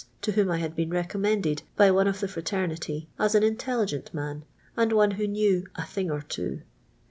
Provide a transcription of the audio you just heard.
to whom I had been re rummended by one of the fraternity as :in intel liirent man. and one who knew *■ a thing or two."